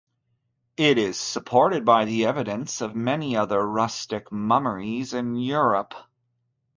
It is supported by the evidence of many other rustic mummeries in Europe.